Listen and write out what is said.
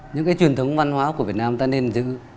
những cái truyền thống văn hóa của việt nam ta nên giữ